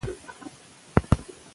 او خيال مې راغے چې نن د تيمم ورځ وه